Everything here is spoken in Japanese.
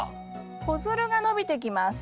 子づるが伸びてきます。